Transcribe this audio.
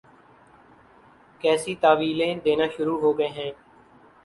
کیسی تاویلیں دینا شروع ہو گئے ہیں۔